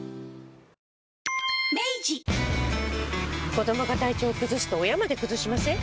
子どもが体調崩すと親まで崩しません？